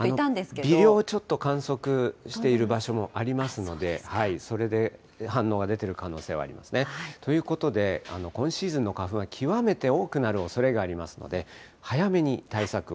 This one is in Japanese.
微量、観測している場所もありますので、それで反応が出ている可能性はありますね。ということで、今シーズンの花粉は極めて多くなるおそれがありますので、早めに対策を。